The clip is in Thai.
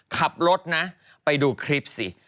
ขับรถนะไปดูคลิปสิ